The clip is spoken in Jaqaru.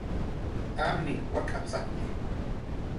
"Amninh wak'ap"" sajki"